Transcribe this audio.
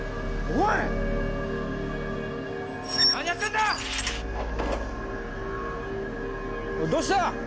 おいどうした？